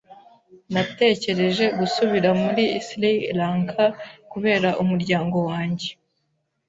Natekereje gusubira muri Sri Lanka kureba umuryango wanjye